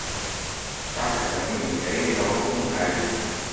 隔成兩年幾你都好堅毅